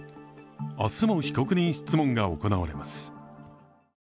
明日も被告人質問が行われます。